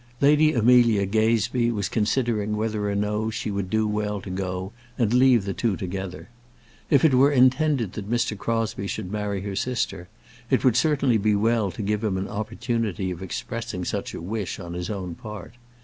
Lady Amelia Gazebee was considering whether or no she would do well to go and leave the two together. If it were intended that Mr. Crosbie should marry her sister, it would certainly be well to give him an opportunity of expressing such a wish on his own part.